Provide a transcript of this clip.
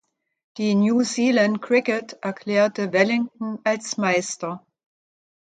Die New Zealand Cricket erklärte Wellington als Meister.